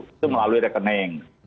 itu melalui rekening